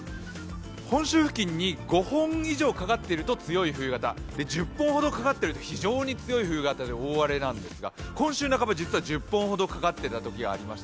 本州付近に５本以上かかっていると強い冬型、１０本以上かかってると非常に強い冬型で大荒れなんですが、今週半ば実は１０本ほどかかっていたときがありました。